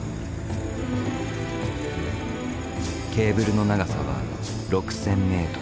ケーブルの長さは６，０００ｍ。